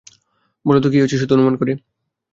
বলো তো কী হয়েছে, শুধু অনুমান করে।